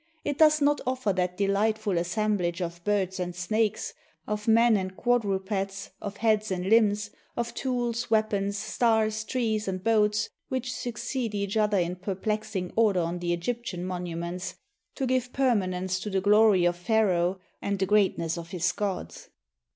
It does not offer that dehghtful assemblage of birds and snakes, of men and quadrupeds, of heads and Hmbs, of tools, weapons, stars, trees, and boats, which succeed each other in perplexing order on the Egyptian monuments, to give permanence to the glory of Pharaoh and the greatness of his gods.